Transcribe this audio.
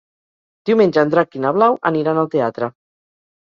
Diumenge en Drac i na Blau aniran al teatre.